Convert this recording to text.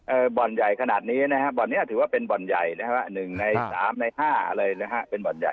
เออบ่อนใหญ่ขนาดนี้นะครับบ่อนนี้ถือว่าเป็นบ่อนใหญ่นะครับ๑ใน๓ใน๕เลยนะครับเป็นบ่อนใหญ่